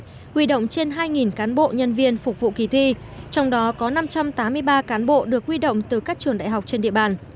huy động trên hai cán bộ nhân viên phục vụ kỳ thi trong đó có năm trăm tám mươi ba cán bộ được huy động từ các trường đại học trên địa bàn